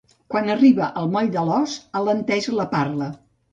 Quan arriba al moll de l'os, alenteix la parla.